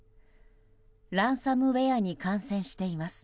ランサムウェアに感染しています。